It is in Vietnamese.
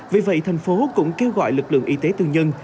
vì vậy thành phố cũng kêu gọi lực lượng y tế tư nhân